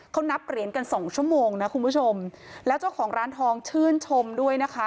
เขานับเหรียญกันสองชั่วโมงนะคุณผู้ชมแล้วเจ้าของร้านทองชื่นชมด้วยนะคะ